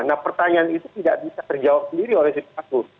nah pertanyaan itu tidak bisa terjawab sendiri oleh siapapun